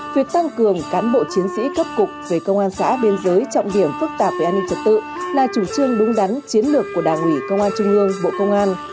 việc tăng cường cán bộ chiến sĩ cấp cục về công an xã biên giới trọng điểm phức tạp về an ninh trật tự là chủ trương đúng đắn chiến lược của đảng ủy công an trung ương bộ công an